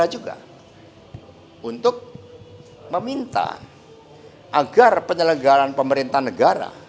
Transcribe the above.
haket ini juga untuk meminta agar penyelenggaran pemerintahan negara